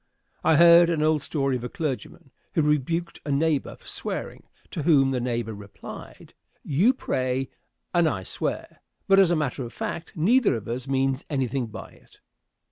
I heard an old story of a clergyman who rebuked a neighbor for swearing, to whom the neighbor replied, "You pray and I swear, but as a matter of fact neither of us means anything by it."